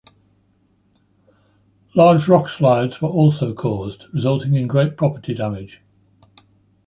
Large rockslides were also caused, resulting in great property damage.